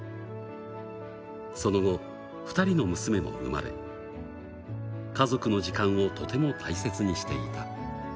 その後、２人の娘も生まれ、家族の時間をとても大切にしていた。